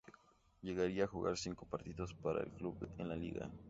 Llegaría a jugar cinco partidos para el club en la liga.